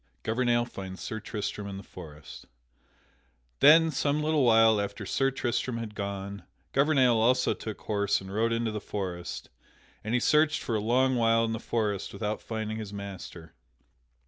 [Sidenote: Gouvernail finds Sir Tristram in the forest] Then, some little while after Sir Tristram had gone, Gouvernail also took horse and rode into the forest, and he searched for a long while in the forest without finding his master.